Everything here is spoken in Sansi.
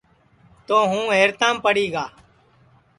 تو ہوں حیرتام پڑی گا